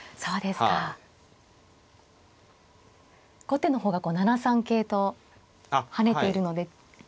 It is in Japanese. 後手の方がこう７三桂と跳ねているので。